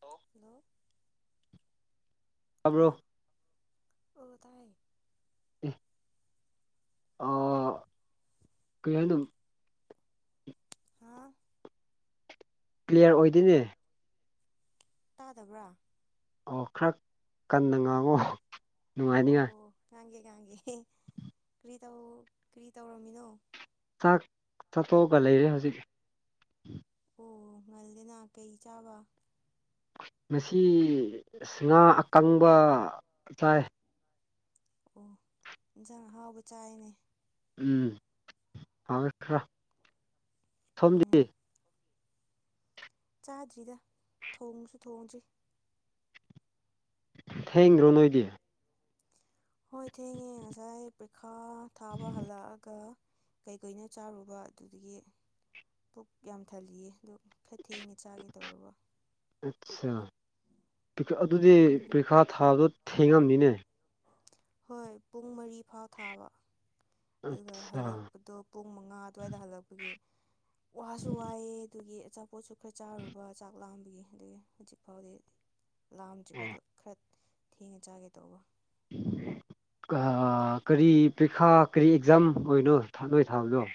Hello ꯇꯥꯕ꯭ꯔꯣ hello ꯑꯣ ꯇꯥꯏꯌꯦ ꯑꯥꯎ [unintelligible] ꯍꯥꯥꯎ ꯀ꯭ꯂꯤꯌꯔ ꯑꯣꯏꯗꯦꯅꯦ ꯇꯥꯗꯕ꯭ꯔꯥ ꯑꯣ ꯈꯔ ꯀꯟꯅ ꯉꯥꯡꯉꯣ ꯅꯨꯡꯉꯥꯏꯅꯤꯉꯥꯏ ꯑꯣꯑꯣ ꯉꯥꯡꯒꯦ ꯉꯥꯡꯒꯦ ꯀꯔꯤ ꯇꯧ ꯀꯔꯤ ꯇꯧꯔꯝꯃꯤꯅꯣ ꯆꯥꯛ ꯆꯥꯊꯣꯛꯑꯒ ꯂꯩꯔꯦ ꯍꯧꯖꯤꯛ ꯑꯣ ꯉꯜꯂꯤꯅ ꯀꯩ ꯆꯥꯕ ꯉꯁꯤ ꯑꯁ ꯉꯥ ꯑꯀꯪꯕ ꯆꯥꯏ ꯑꯣ ꯏꯟꯁꯥꯡ ꯑꯍꯥꯎꯕ ꯆꯥꯏꯌꯦꯅꯦ ꯎꯝ ꯍꯥꯎꯑꯦ ꯈꯔ ꯁꯣꯝꯗꯤ ꯎꯝ ꯆꯥꯗ꯭ꯔꯤꯗ ꯊꯣꯡꯁꯨ ꯊꯣꯡꯗ꯭ꯔꯤ ꯊꯦꯡꯗ꯭ꯔꯣ ꯅꯣꯏꯗꯤ ꯍꯣꯏ ꯊꯦꯡꯉꯦ ꯉꯁꯥꯏ ꯄ꯭ꯔꯤꯈꯥ ꯊꯥꯕ ꯍꯜꯂꯛꯑꯒ ꯀꯩꯀꯩꯅꯣ ꯆꯥꯔꯨꯕ ꯑꯗꯨꯗꯒꯤ ꯄꯨꯛ ꯌꯥꯝ ꯊꯜꯂꯤꯌꯦ ꯑꯗꯨ ꯈꯔ ꯊꯦꯡꯅ ꯆꯥꯒꯦ ꯇꯧꯔꯕ ꯑꯠꯆꯥꯥ ꯑꯗꯨꯗꯤ ꯄ꯭ꯔꯤꯈꯥ ꯊꯥꯕꯗꯣ ꯊꯦꯡꯉꯝꯅꯤꯅꯦ ꯍꯣꯏ ꯄꯨꯡ ꯃꯔꯤ ꯐꯥꯎ ꯊꯥꯕ ꯑꯗꯨꯒ ꯑꯠꯆꯥ ꯍꯜꯂꯛꯄꯗꯣ ꯄꯨꯡ ꯃꯉꯥ ꯑꯗꯨꯋꯥꯏꯗ ꯍꯜꯂꯛꯄꯒꯤ ꯋꯥꯁꯨ ꯋꯥꯏꯑꯦ ꯑꯗꯨꯒꯤ ꯑꯆꯥꯄꯣꯠꯁꯨ ꯈꯔ ꯆꯥꯔꯨꯕ ꯆꯥꯛ ꯂꯥꯝꯕꯒꯤ ꯑꯗꯨꯒꯤ ꯍꯧꯖꯤꯛ ꯐꯥꯎꯗꯤ ꯂꯥꯝꯗ꯭ꯔꯤꯕꯗꯣ ꯈꯔ ꯊꯦꯡꯉ ꯆꯥꯒꯦ ꯇꯧꯕ ꯀꯔꯤ ꯄꯔꯤꯈꯥ ꯀꯔꯤ ꯑꯦꯛꯖꯥꯝ ꯑꯣꯏꯅꯣ ꯊꯗꯣꯏ ꯊꯥꯕꯗꯣ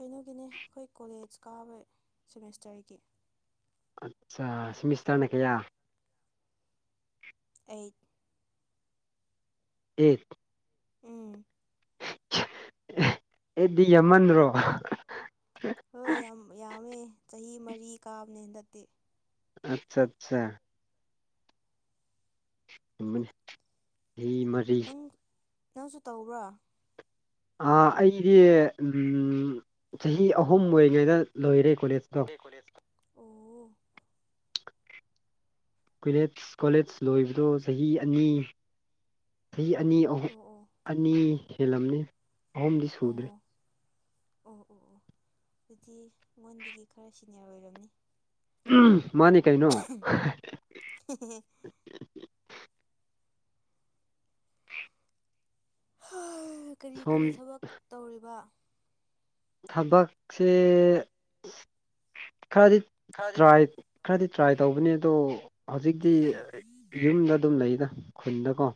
ꯀꯩꯅꯣꯒꯤꯅꯦ ꯑꯩꯈꯣꯏ ꯀꯣꯂꯦꯖ ꯀꯥꯕꯩ ꯁꯦꯃꯤꯁꯇꯔꯒꯤ ꯑꯠꯆꯥ ꯁꯤꯃꯤꯁꯇꯔꯅ ꯀꯌꯥ ꯑꯩꯠ ꯑꯩꯠ ꯎꯝ ꯑꯩꯠꯇꯤ ꯌꯥꯝꯃꯟꯗ꯭ꯔꯣ ꯍꯣꯏ ꯌꯥꯝ ꯌꯥꯝꯃꯦ ꯆꯍꯤ ꯃꯔꯤ ꯀꯥꯕꯅꯦ ꯍꯟꯗꯛꯇꯤ ꯑꯆꯥ ꯑꯠꯆꯥ ꯍ ꯃꯔ [unintelligible] ꯅꯪ ꯅꯪꯁꯨ ꯇꯧꯕ꯭ꯔꯣ ꯑꯩꯗꯤ ꯆꯍꯤ ꯑꯍꯨꯝ ꯑꯣꯏꯔꯤꯉꯩꯗ ꯂꯣꯏꯔꯦ ꯀꯣꯂꯦꯖꯇ ꯑꯣ ꯀꯣꯂꯦꯖ ꯀꯣꯂꯦꯖ ꯂꯣꯏꯕꯗꯣ ꯆꯍꯤ ꯑꯅꯤ ꯆꯍꯤ ꯑꯅꯤ ꯑꯍꯨꯝ ꯑꯣ ꯑꯣ ꯑꯅꯤ ꯍꯦꯜꯂꯝꯅꯤ ꯑꯍꯨꯝꯗꯤ ꯁꯨꯗ꯭ꯔꯤ ꯑꯣ ꯑꯣ ꯑꯣ ꯑꯗꯨꯗꯤ ꯑꯩꯉꯣꯟꯗꯒꯤ ꯈꯔ ꯁꯤꯅꯤꯌꯔ ꯑꯣꯏꯔꯝꯅꯤ ꯃꯥꯅꯤ ꯀꯩꯅꯣ [unintelligible] ꯀꯔꯤ ꯁꯣꯝ ꯀꯔꯤ ꯊꯕꯛ ꯇꯧꯔꯤꯕ ꯊꯕꯛꯁꯦ ꯈꯔꯗꯤ ꯇ꯭ꯔꯥꯏ ꯈꯔꯗꯤ ꯇ꯭ꯔꯥꯏ ꯇꯧꯕꯅꯦ ꯑꯗꯣ ꯍꯧꯖꯤꯛꯇꯤ ꯌꯨꯝꯗ ꯑꯗꯨꯝ ꯂꯩꯗ ꯈꯨꯟꯗꯀꯣ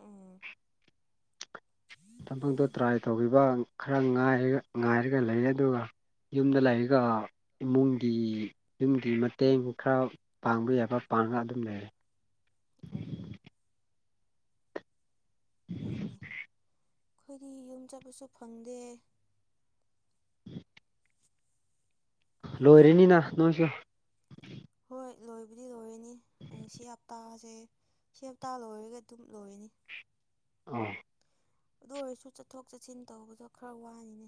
ꯎꯝ ꯊꯕꯛꯇꯣ ꯇ꯭ꯔꯥꯏ ꯇꯧꯕꯈꯤꯕ ꯈꯔ ꯉꯥꯏꯔ ꯉꯥꯏꯔꯒ ꯂꯩ ꯑꯗꯨꯒ ꯌꯨꯝꯗ ꯂꯩꯔꯒ ꯏꯃꯨꯡꯒꯤ ꯌꯨꯝꯒꯤ ꯃꯇꯦꯡ ꯈꯔ ꯄꯥꯡꯕ ꯌꯥꯕ ꯄꯥꯡꯉꯒ ꯑꯗꯨꯝ ꯂꯩꯔꯦ ꯎꯝ ꯐꯩꯅꯦ ꯑꯩꯈꯣꯏꯗꯤ ꯌꯨꯝ ꯆꯠꯄꯁꯨ ꯐꯪꯗꯦ ꯂꯣꯏꯔꯅꯤꯅ ꯅꯣꯏꯁꯨ ꯍꯣꯏ ꯂꯣꯏꯕꯨꯗꯤ ꯂꯣꯏꯔꯅꯤ ꯑꯗꯨ ꯁꯤ ꯍꯞꯇꯥꯁꯦ ꯁꯤ ꯍꯞꯇꯥ ꯂꯣꯏꯔꯒ ꯑꯗꯨꯝ ꯂꯣꯏꯔꯅꯤ ꯑ ꯑꯗꯨ ꯑꯣꯏꯔꯁꯨ ꯆꯠꯊꯣꯛ ꯆꯠꯁꯤꯟ ꯇꯧꯕꯗꯣ ꯈꯔ ꯋꯥꯅꯤꯅꯦ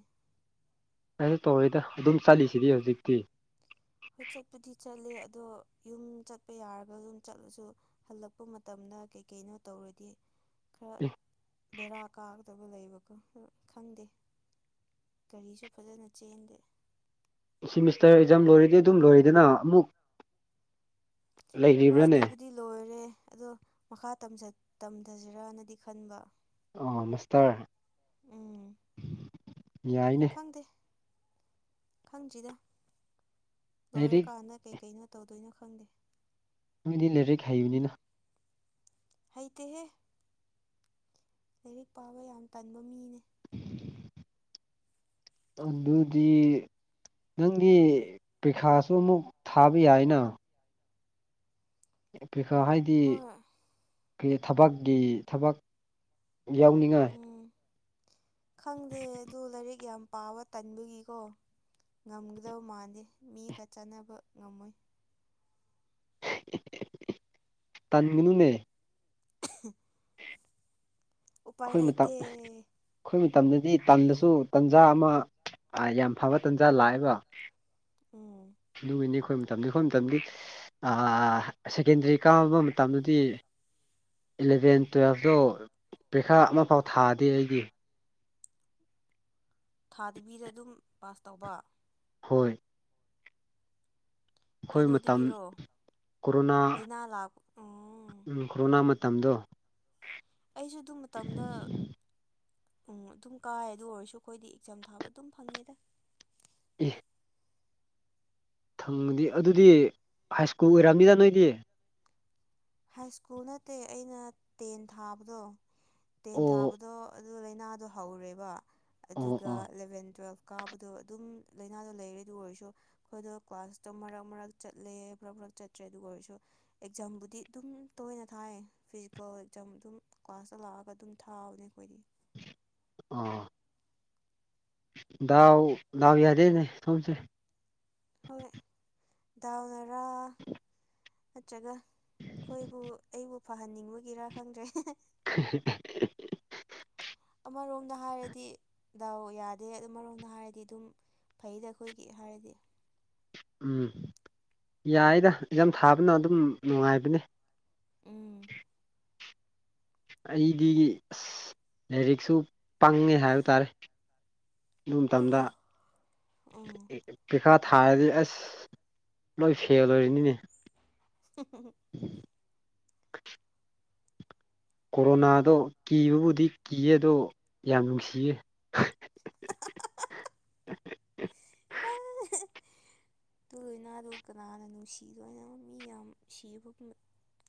ꯀꯩꯁꯨ ꯇꯧꯔꯣꯏꯗ ꯑꯗꯨꯝ ꯆꯠꯂꯤꯁꯤꯗꯤ ꯍꯧꯖꯤꯛꯇꯤ ꯍꯣꯏ ꯆꯠꯄꯨꯗꯤ ꯆꯠꯂꯦ ꯑꯗꯣ ꯌꯨꯝ ꯆꯠꯄ ꯌꯥꯔꯒ ꯑꯗꯨꯝ ꯆꯠꯂꯁꯨ ꯍꯜꯂꯛꯄ ꯃꯇꯝꯗ ꯀꯩꯀꯩꯅꯣ ꯇꯧꯔꯗꯤ ꯈꯔ ꯕꯦꯔꯥ ꯀꯥꯒꯗꯕ ꯂꯩꯕꯀꯣ ꯈꯪꯗꯦ ꯒꯥꯔꯤꯁꯨ ꯐꯖꯅ ꯆꯦꯟꯗꯦ ꯁꯤꯃꯤꯁꯇꯔ ꯑꯦꯛꯖꯥꯝ ꯂꯣꯏꯔꯗꯤ ꯑꯗꯨꯝ ꯂꯣꯏꯔꯦꯗꯅ ꯑꯃꯨꯛ ꯍꯣꯏ ꯂꯩꯔꯤꯕ꯭ꯔꯥꯅꯦ ꯑꯗꯨꯕꯨꯗꯤ ꯂꯣꯏꯔꯦ ꯑꯗꯣ ꯃꯈꯥ ꯇꯝꯊꯁꯤꯔꯅꯗꯤ ꯈꯟꯕ ꯑ ꯃꯁꯇꯔ ꯎꯝ ꯌꯥꯏꯅꯦ ꯈꯪꯗꯦ ꯈꯪꯗ꯭ꯔꯤꯗ ꯂꯥꯏꯔꯤꯛ ꯂꯣꯏꯔꯀꯥꯟꯗ ꯀꯩꯀꯩꯅꯣ ꯇꯧꯗꯣꯏꯅꯣ ꯈꯪꯗꯦ ꯇꯃꯤꯗꯤ ꯂꯩꯔꯩ ꯈꯥꯏꯌꯅꯤꯅ ꯍꯩꯇꯍꯦ ꯂꯥꯏꯔꯤꯛ ꯄꯥꯕ ꯌꯥꯝ ꯇꯟꯕ ꯃꯤꯅꯦ ꯑꯗꯨꯗꯤ ꯅꯪꯒꯤ ꯄꯔꯤꯈꯥꯁꯨ ꯑꯃꯨꯛ ꯊꯥꯕ ꯌꯥꯏꯅ ꯄꯩꯈꯥ ꯍꯥꯏꯗꯤ ꯍꯣꯏ ꯑꯩꯈ ꯊꯕꯛꯀꯤ ꯊꯕꯛ ꯌꯥꯎꯅꯤꯡꯉꯥꯏ ꯎꯝ ꯈꯪꯗꯦ ꯑꯗꯨ ꯂꯥꯏꯔꯤꯛ ꯌꯥꯝ ꯄꯥꯕ ꯇꯟꯕꯒꯤꯀꯣ ꯉꯝꯒꯗꯕ ꯃꯥꯟꯗꯦ ꯃꯤꯒ ꯆꯥꯟꯅꯕ ꯉꯝꯃꯣꯏ ꯇꯥꯟꯒꯅꯨꯅꯦ [unintelligible] ꯎꯄꯥꯏ ꯑꯩꯈꯣꯏ ꯂꯩꯇꯦ ꯃꯇꯥꯡ ꯑꯩꯈꯣꯏ ꯃꯇꯝꯗꯗꯤ ꯇꯟꯗꯁꯨ ꯇꯟꯖꯥ ꯑꯃ ꯌꯥꯝ ꯐꯕ ꯇꯥꯟꯖꯥ ꯂꯥꯛꯑꯦꯕ ꯎꯝ ꯅꯨꯃꯤꯅꯤ ꯈꯣꯏ ꯃꯇꯝꯗꯨ ꯑꯩꯈꯣꯏ ꯃꯇꯝꯒꯤ ꯁꯦꯀꯦꯟꯗꯔꯤ ꯀꯥꯝꯕ ꯃꯇꯝꯗꯗꯤ ꯏꯂꯚꯦꯟ ꯇꯨꯌꯦꯦꯜꯐꯇꯣ ꯄꯔꯤꯈꯥ ꯑꯃꯐꯥꯎ ꯊꯥꯗꯦ ꯑꯩꯗꯤ ꯊꯥꯗꯨꯕꯤꯗ ꯑꯗꯨꯝ ꯄꯥꯁ ꯇꯧꯕ ꯍꯣꯏ ꯑꯩꯈꯣꯏ ꯃꯇꯝ ꯀꯩꯅꯣꯗꯨꯒꯤꯔꯣ ꯀꯣꯔꯣꯅꯥ ꯂꯩꯅꯥ ꯂꯥꯛ ꯎꯝ ꯀꯣꯔꯣꯅꯥ ꯃꯇꯝꯗꯣ ꯑꯩꯁꯨ ꯑꯗꯨ ꯃꯇꯝꯗ ꯎꯝ ꯑꯗꯨꯝ ꯀꯥꯏ ꯑꯗꯨ ꯑꯣꯏꯔꯁꯨ ꯑꯩꯈꯣꯏꯗꯤ ꯑꯦꯛꯖꯥꯝ ꯊꯥꯕ ꯑꯗꯨꯝ ꯐꯪꯉꯤꯗ꯫ [unintelligible] ꯊꯪꯗꯤ ꯑꯗꯨꯗꯤ ꯍꯥꯏ ꯁ꯭ꯀꯨꯜ ꯑꯣꯏꯔꯝꯅꯤꯗ ꯅꯣꯏꯗꯤ꯫ ꯍꯥꯏ ꯁ꯭ꯀꯨꯜ ꯅꯠꯇꯦ ꯑꯩꯅ ꯇꯦꯟ ꯊꯥꯕꯗꯣ ꯇꯦꯟ ꯑꯣ ꯊꯥꯕꯗꯣ ꯑꯗꯨ ꯂꯩꯅꯥꯗꯣ ꯍꯧꯔꯦꯕ ꯑꯣ ꯑꯗꯨꯒ ꯑꯣ ꯑꯦꯂꯦꯕꯦꯟ ꯇꯨꯌꯦꯜꯄ ꯀꯥꯕꯗꯣ ꯑꯗꯨꯝ ꯂꯥꯏꯅꯥꯗꯣ ꯂꯩꯔꯦ ꯑꯗꯨ ꯑꯣꯏꯔꯁꯨ ꯑꯩꯈꯣꯏꯗꯣ ꯀ꯭ꯂꯥꯁꯇꯣ ꯃꯔꯛ - ꯃꯔꯛ ꯆꯠꯂꯦ ꯃꯔꯛ- ꯃꯔꯛ ꯆꯠꯇ꯭ꯔꯦ ꯑꯗꯨꯒ ꯑꯣꯏꯔꯁꯨ ꯑꯦꯛꯖꯥꯝꯕꯨꯗꯤ ꯑꯗꯨꯝ ꯇꯣꯏꯅ ꯊꯥꯏ ꯐꯤꯖꯤꯀꯜ ꯑꯦꯛꯖꯥꯝ ꯑꯗꯨꯝ ꯀ꯭ꯂꯥꯁꯇ ꯂꯥꯛꯑꯒ ꯑꯗꯨꯝ ꯊꯥꯕꯅꯦ ꯑꯩꯈꯣꯏꯗꯤ꯫ ꯑꯣ ꯗꯥꯎ ꯗꯥꯎ ꯌꯥꯗꯦꯅꯦ ꯅꯣꯏꯁꯦ꯫ ꯍꯣꯏ ꯗꯥꯎ ꯅꯔꯥ ꯅꯠꯇ꯭ꯔꯒ ꯈꯣꯏꯕꯨ ꯑꯩꯕꯨ ꯐꯍꯟꯅꯤꯡꯕꯒꯤꯔꯥ ꯈꯪꯗ꯭ꯔꯦ꯫ [unintelligible] ꯑꯃꯔꯣꯝꯗ ꯍꯥꯏꯔꯗꯤ ꯗꯥꯎ ꯌꯥꯗꯦ ꯑꯃꯔꯣꯝꯗ ꯍꯥꯏꯔꯗꯤ ꯑꯗꯨꯝ ꯐꯩꯗ ꯑꯩꯈꯣꯏꯒꯤ ꯍꯥꯏꯔꯗꯤ꯫ ꯎꯝ ꯌꯥꯏꯗ ꯏꯛꯖꯝ ꯊꯥꯕꯅ ꯑꯗꯨꯝ ꯅꯨꯡꯉꯥꯏꯕꯅꯦ꯫ ꯎꯝ ꯑꯩꯗꯤ ꯑꯁ ꯂꯥꯏꯔꯤꯛꯁꯨ ꯄꯪꯉꯦ ꯍꯥꯏꯕ ꯇꯥꯔꯦ꯫ ꯑꯗꯨ ꯃꯇꯝꯗ ꯎꯝ ꯄꯤꯈꯥ ꯊꯥꯔꯗꯤ ꯑꯁ ꯂꯣꯏ ꯐꯦꯜ ꯑꯣꯏꯔꯅꯤꯅꯦ꯫ [unintelligible] [unintelligible] ꯀꯣꯔꯣꯅꯥꯗꯣ ꯀꯤꯕꯕꯨꯗꯤ ꯀꯤꯌꯦ ꯑꯗꯣ ꯌꯥꯝ ꯅꯨꯡꯁꯤꯌꯦ꯫ [unintelligible] ꯑꯗꯨ ꯂꯩꯅꯥꯗꯣ ꯀꯅꯥꯅ ꯅꯨꯡꯁꯤ ꯗꯣꯏꯅꯣ ꯃꯤ ꯌꯥꯝ ꯁꯤꯕ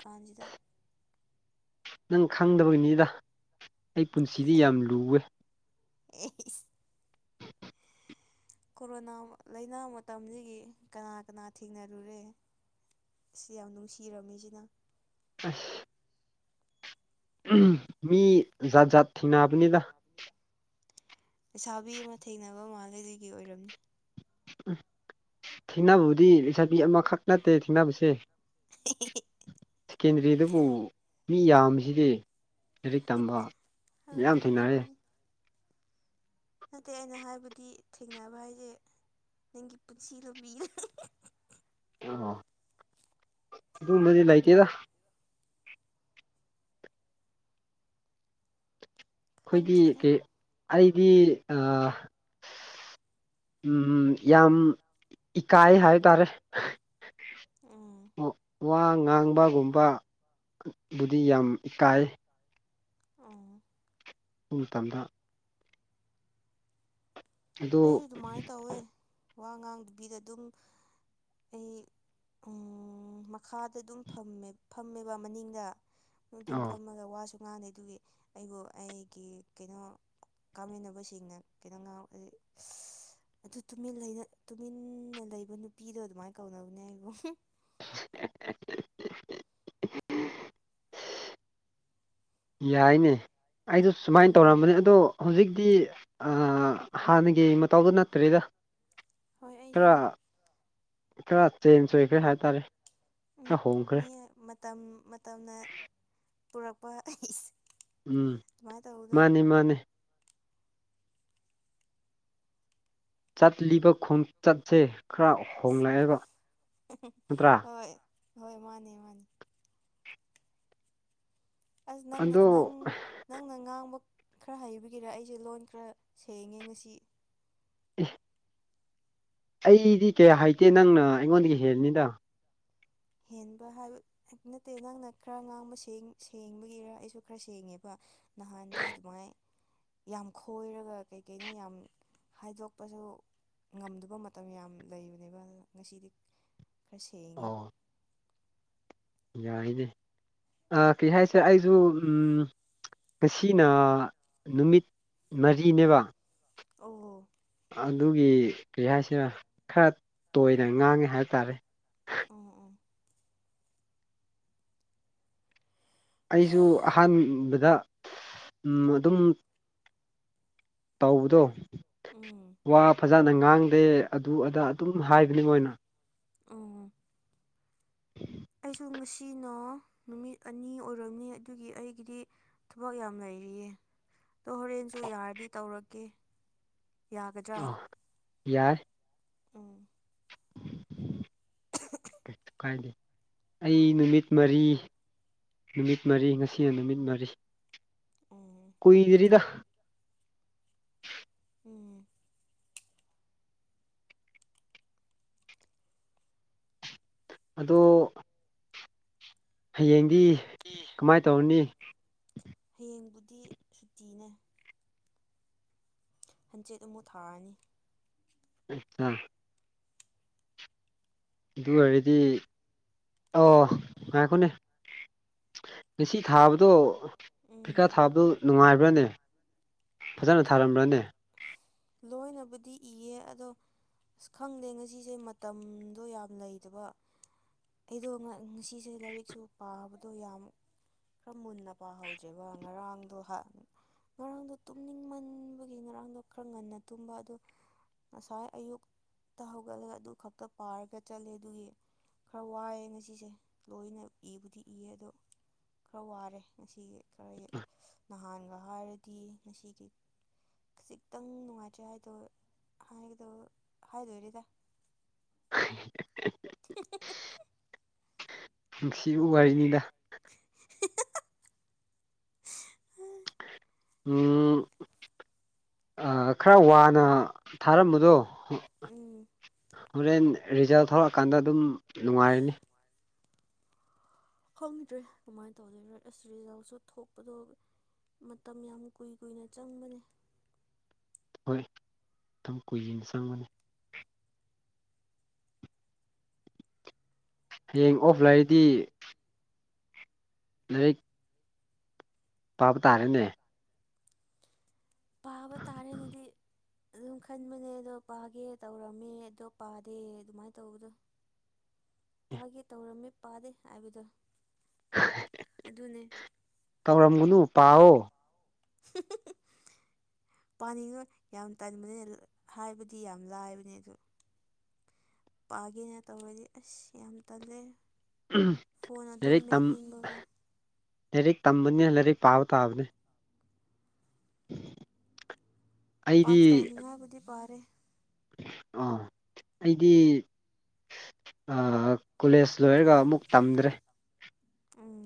ꯀꯥꯟꯖꯤꯗ ꯅꯪ ꯈꯪꯗꯕꯒꯤꯅꯤꯗ ꯑꯩ ꯄꯨꯟꯁꯤꯗꯤ ꯌꯥꯝ ꯂꯨꯋꯦ꯫ [unintelligible] ꯀꯣꯔꯣꯅꯥ ꯂꯩꯥꯅꯥ ꯃꯇꯝꯗꯒꯤ ꯀꯅꯥ - ꯀꯅꯥ ꯊꯦꯡꯅꯔꯨꯔꯦ? ꯁꯤ ꯌꯥꯝ ꯅꯨꯡꯁꯤꯔꯝꯃꯤꯁꯤꯅ ꯑꯁ! ꯃꯤ ꯖꯥꯠ - ꯖꯥꯠ ꯊꯦꯡꯅꯕꯅꯤꯗ꯫ ꯂꯩꯁꯥꯕꯤ ꯑꯃ ꯊꯦꯡꯅꯕ ꯃꯥꯜꯂꯦ ꯑꯗꯨꯒꯤ ꯑꯣꯏꯔꯝꯅꯤ꯫ ꯎꯝ ꯊꯦꯡꯅꯕꯕꯨꯗꯤ ꯂꯩꯁꯥꯕꯤ ꯑꯃꯈꯛ ꯅꯠꯇꯦ ꯊꯦꯡꯅꯕꯁꯦ [unintelligible] ꯁꯦꯀꯦꯟꯗ꯭ꯔꯤꯗꯕꯨ ꯃꯤ ꯌꯥꯝꯕꯁꯤꯗꯤ ꯂꯥꯏꯔꯤꯛ ꯇꯝꯕ ꯍꯣꯏ ꯃꯌꯥꯝ ꯍꯣꯏ ꯃꯥꯅꯤ ꯊꯦꯡꯅꯔꯦ꯫ ꯃꯥꯅꯤ ꯅꯠꯇꯦ ꯑꯩꯅ ꯍꯥꯏꯕꯗꯤ ꯊꯦꯡꯅꯕ ꯍꯥꯏꯁꯦ ꯅꯪꯒꯤ ꯄꯨꯟꯁꯤ ꯂꯝꯕꯤꯗ꯫ ꯑꯗꯨꯒꯨꯝꯕꯗꯤ ꯂꯩꯇꯦꯗ꯫ ꯑꯗꯨꯃꯥꯏꯅ ꯑꯩꯈꯣꯏꯗꯤ ꯈꯪꯗ꯭ꯔꯦꯗ ꯀꯩ ꯑꯩꯗꯤ ꯑ ꯎꯝ ꯌꯥꯝ ꯏꯀꯥꯏ ꯍꯥꯏ ꯇꯥꯔꯦ꯫ ꯎꯝ ꯋꯥ ꯉꯥꯡꯕꯒꯨꯝꯕ ꯕꯨꯗꯤ ꯌꯥꯝ ꯏꯀꯥꯏ꯫ ꯑꯣ ꯑꯗꯨꯨ ꯃꯇꯝꯗ ꯑꯗꯨ ꯑꯩꯁꯨ ꯑꯗꯨꯃꯥꯏꯅ ꯇꯧꯋꯦ ꯋꯥ ꯉꯥꯡꯗꯨꯕꯤꯗ ꯑꯗꯨꯝ ꯑꯩ ꯎꯝ ꯃꯈꯥꯗ ꯑꯗꯨꯝꯃꯦ ꯐꯝꯃꯦꯕ ꯃꯅꯤꯡꯗ ꯑꯗꯨꯝ ꯑꯣ ꯐꯝꯃꯒ ꯋꯥꯁꯨ ꯉꯥꯡꯗꯦ ꯑꯗꯨꯒꯤ ꯑꯩꯕꯨ ꯑꯩꯒꯤ ꯀꯩꯅꯣ ꯀꯥꯃꯤꯟꯅꯕꯁꯤꯡꯅ ꯀꯩꯅꯣ ꯉ ꯁ ꯑꯗꯨ ꯇꯨ ꯂꯩꯅ ꯇꯨꯃꯤꯟꯅ ꯂꯩꯕ ꯅꯨꯄꯤꯗꯣ ꯑꯗꯨꯃꯥꯏꯅ ꯀꯧꯅꯕꯅꯦ ꯑꯩꯕꯨ ꯌꯥꯏꯅꯦ ꯑꯩꯗꯣ ꯁꯨꯃꯥꯏꯅ ꯎꯝ ꯇꯧꯔꯝꯕꯅꯦ ꯑꯗꯣ ꯍꯧꯖꯤꯛꯇꯤ ꯍꯥꯟꯅꯒꯤ ꯃꯇꯥꯎꯗ ꯅꯠꯇ꯭ꯔꯔꯤꯗ ꯍꯣꯏ ꯈꯔ ꯑꯩꯁꯨꯅꯦ ꯈꯔ ꯆꯦꯟꯖ ꯑꯣꯏꯈ꯭ꯔꯦ ꯍꯥꯏ ꯇꯥꯔꯦ ꯎꯝ ꯃꯤ ꯃꯇꯝ ꯃꯇꯝꯅ ꯄꯨꯔꯛꯄ ꯎꯝ ꯑꯗꯨꯃꯥꯏꯅ ꯇꯧꯕꯗꯣ ꯃꯥꯅꯤ ꯃꯥꯅꯦ ꯆꯠꯂꯤꯕ ꯈꯣꯡꯆꯠꯁꯦ ꯈꯔ ꯍꯣꯡꯂꯛꯑꯦꯕ ꯅꯠꯇ꯭ꯔꯥ ꯍꯣꯏ ꯍꯣꯏ ꯃꯥꯅꯦ ꯃꯥꯅꯦ ꯑꯁ ꯅꯪ ꯑꯗꯣ ꯅꯪ ꯅꯪꯅ ꯉꯥꯡꯕ ꯈꯔ ꯍꯩꯕꯒꯤꯔ ꯑꯩꯁꯦ ꯂꯣꯟ ꯈꯔ ꯁꯦꯡꯉꯦ ꯉꯁꯤ ꯎ ꯑꯩꯗꯤ ꯀꯌꯥ ꯍꯥꯏꯇꯦ ꯅꯪꯅ ꯑꯩꯉꯣꯟꯗꯒꯤ ꯍꯦꯜꯅꯤꯗ ꯍꯦꯟꯕ ꯍꯥꯏꯕ ꯅꯠꯇꯦ ꯅꯪꯅ ꯈꯔ ꯉꯥꯡꯕ ꯁꯦꯡ ꯁꯦꯡꯕꯒꯤꯔ ꯑꯩꯁꯨ ꯈꯔ ꯁꯦꯡꯉꯦꯕ ꯅꯍꯥꯟꯗꯤ ꯑꯗꯨꯃꯥꯏ ꯌꯥꯝ ꯈꯣꯏꯔꯒ ꯀꯩ ꯀꯩꯅꯣ ꯌꯥꯝ ꯍꯥꯏꯗꯣꯛꯄꯁꯨ ꯉꯝꯗꯕ ꯃꯇꯝ ꯌꯥꯝ ꯂꯩꯕꯅꯦꯕ ꯉꯁꯤꯗꯤ ꯈꯔ ꯁꯦꯡꯉꯦ ꯑꯣ ꯌꯥꯏꯅꯦ ꯀꯩ ꯍꯥꯏꯁꯦ ꯑꯩꯁꯨ ꯎꯝ ꯉꯁꯤꯅ ꯅꯨꯃꯤꯠ ꯃꯔꯤꯅꯦꯕ ꯑꯣ ꯑꯗꯨꯒꯤ ꯀꯔꯤ ꯍꯥꯏꯁꯤꯔ ꯈꯔ ꯇꯣꯏꯅ ꯉꯥꯡꯉꯦ ꯍꯥꯏꯕ ꯇꯥꯔꯦ ꯑꯣ ꯑꯣ ꯑꯩꯁꯨ ꯑꯍꯥꯟꯕꯗ ꯑꯗꯨꯝ ꯇꯧꯕꯗꯣ ꯎꯝ ꯋꯥ ꯐꯖꯅ ꯉꯥꯡꯗꯦ ꯑꯗꯨ ꯑꯗ ꯑꯗꯨꯝ ꯍꯥꯏꯕꯅꯤ ꯃꯣꯏꯅ ꯎꯝ ꯑꯩꯁꯨ ꯉꯁꯤꯅ ꯅꯨꯃꯤꯠ ꯑꯅꯤ ꯑꯣꯏꯔꯝꯅꯤ ꯑꯗꯨꯒꯤ ꯑꯩꯒꯤꯗꯤ ꯊꯕꯛ ꯌꯥꯝ ꯂꯩꯔꯤꯌꯦ ꯑꯗꯣ ꯍꯣꯔꯦꯟꯁꯨ ꯌꯥꯔꯗꯤ ꯇꯧꯔꯛꯀꯦ ꯌꯥꯒꯗ꯭ꯔꯥ ꯑꯥ ꯌꯥꯏ ꯑꯥ [unintelligible] ꯀꯥꯏ ꯑꯩ ꯅꯨꯃꯤꯠ ꯃꯔꯤ ꯅꯨꯃꯤꯠ ꯃꯔꯤ ꯉꯁꯤꯅ ꯅꯨꯃꯤꯠ ꯃꯔꯤ ꯑ ꯀꯨꯏꯗ꯭ꯔꯤꯗ ꯎꯝ ꯑꯗꯨ ꯍꯌꯦꯡꯗꯤ [unintelligible] ꯀꯃꯥꯏ ꯇꯧꯅꯤ ꯍꯌꯦꯡꯕꯨꯗꯤ ꯁꯨꯇꯤꯅꯦ ꯍꯟꯆꯦꯠ ꯑꯃꯨꯛ ꯊꯥꯔꯅꯤ ꯑꯆꯥ ꯑꯗꯨ ꯑꯣꯏꯔꯗꯤ ꯑ ꯉꯥꯏꯈꯣꯅꯦ ꯉꯁꯤ ꯊꯥꯕꯗꯣ ꯄꯩꯀꯥ ꯎꯝ ꯊꯥꯕꯗꯨ ꯅꯨꯡꯉꯥꯏꯕ꯭ꯔꯅꯦ ꯐꯖꯅ ꯊꯥꯔꯝꯕ꯭ꯔꯅꯦ ꯂꯣꯏꯅꯕꯨꯗꯤ ꯌꯦꯡꯉꯦ ꯑꯗꯣ ꯑꯁ ꯈꯪꯗꯦ ꯉꯁꯤꯁꯦ ꯃꯇꯝꯗꯣ ꯌꯥꯝ ꯂꯩꯗꯕ ꯑꯩꯗꯣ ꯉꯁꯤꯁꯦ ꯂꯥꯏꯔꯤꯛꯁꯨ ꯄꯥꯕꯗꯣ ꯌꯥꯝ ꯈꯔ ꯃꯨꯟꯅ ꯄꯥꯍꯖꯦꯕ ꯉꯔꯥꯡꯗꯣ ꯉꯔꯥꯡꯗꯣ ꯇꯨꯝꯅꯤꯡꯃꯟꯕꯒꯤ ꯉꯔꯥꯡꯗꯣ ꯈꯔ ꯉꯟꯅ ꯇꯨꯝꯕ ꯑꯗꯣ ꯉꯁꯥꯏ ꯑꯌꯨꯛꯇ ꯍꯧꯒꯠꯂꯒ ꯑꯗꯨ ꯈꯛꯇ ꯄꯥꯔꯒ ꯆꯠꯂꯦ ꯑꯗꯨꯒꯤ ꯈꯔ ꯋꯥꯏꯑꯦ ꯉꯁꯤꯁꯦ ꯂꯣꯏꯅ ꯏꯕꯨꯗꯤ ꯏꯌꯦ ꯑꯗꯣ ꯈꯔ ꯋꯥꯔꯦ ꯉꯁꯤ ꯈꯔ ꯅꯍꯥꯟꯒ ꯍꯥꯏꯔꯗꯤ ꯉꯁꯤꯒꯤ ꯈꯖꯤꯛꯇꯪ ꯅꯨꯡꯉꯥꯏꯇꯦ ꯍꯥꯏꯗꯣ ꯍꯥꯏꯒꯗꯣ ꯍꯥꯏꯗꯣꯏꯔꯗ [unintelligible] ꯅꯨꯡꯁꯤꯕ ꯋꯥꯔꯤꯅꯤꯗ [unintelligible] ꯎꯝ ꯈꯔ ꯋꯥꯅ ꯊꯥꯔꯝꯕꯗꯣ ꯎꯝ ꯍꯣꯔꯦꯟ ꯔꯤꯖꯜ ꯊꯂꯛꯑꯀꯥꯟꯗ ꯑꯗꯨꯝ ꯅꯨꯡꯉꯥꯏꯔꯅꯤ ꯃꯣꯕꯥꯏꯜ ꯈꯪꯗ꯭ꯔꯦ ꯀꯃꯥꯏꯅ ꯇꯧꯗꯣꯏ ꯑꯁ ꯔꯤꯖꯜꯁꯨ ꯊꯣꯛꯄꯗꯣ ꯃꯇꯝ ꯌꯥꯝ ꯀꯨꯏ ꯀꯨꯏꯅ ꯆꯪꯕꯅꯦ ꯍꯣꯏ ꯑꯗꯨꯝ ꯀꯨꯏꯅ ꯆꯪꯕꯅꯤ ꯍꯌꯦꯡ ꯑꯣꯐꯂꯩꯏꯗꯤ ꯂꯩ ꯄꯥꯕ ꯇꯥꯔꯦꯅꯦ ꯄꯥꯕ ꯇꯥꯔꯦꯅꯗꯤ ꯑꯗꯨꯝ ꯈꯟꯕꯅꯦ ꯑꯗꯣ ꯄꯥꯒꯦ ꯇꯧꯔꯝꯃꯦ ꯑꯗꯣ ꯄꯥꯗꯦ ꯑꯗꯨꯃꯥꯏꯅ ꯇꯧꯕꯗꯣ ꯄꯥꯒꯦ ꯇꯧꯔꯝꯃꯤ ꯄꯥꯗꯦ ꯍꯥꯏꯕꯗꯣ ꯑꯗꯨꯅꯦ ꯇꯧꯔꯝꯒꯅꯨ ꯄꯥꯎꯑꯣ [unintelligible] ꯄꯥꯅꯤꯡꯉꯣꯏ ꯌꯥꯝ ꯇꯟꯕꯅꯤꯅ ꯍꯥꯏꯕꯗꯤ ꯌꯥꯝ ꯂꯥꯏꯕꯅꯤ ꯑꯗꯣ ꯄꯥꯒꯦꯅ ꯇꯧꯔꯗꯤ ꯑꯁ ꯌꯥꯝ ꯇꯜꯂꯦ ꯐꯣꯟ ꯑꯗꯨꯝ ꯂꯥꯏꯔꯤꯛ ꯇꯝ ꯃꯦꯠꯅꯤꯡꯕꯒꯣ꯫ ꯂꯥꯏꯔꯤꯛ ꯇꯝꯕꯅꯤ ꯂꯥꯏꯔꯤꯛ ꯄꯥꯕ ꯇꯥꯕꯅꯦ꯫ ꯑꯩꯗꯤ ꯄꯥꯁ ꯇꯧꯅꯤꯡꯉꯥꯏꯕꯨꯗꯤ ꯄꯥꯔꯦ꯫ ꯑ ꯑꯩꯗꯤ ꯑ ꯀꯣꯂꯦꯖ ꯂꯣꯏꯔꯒ ꯑꯃꯨꯛ ꯇꯝꯗ꯭ꯔꯦ꯫ ꯑꯝ